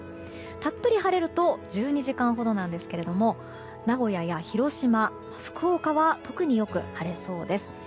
たっぷり晴れると１２時間ほどなんですけれども名古屋や広島、福岡は特によく晴れそうです。